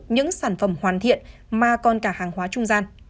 những sản phẩm hoàn thiện mà còn cả hàng hóa trung gian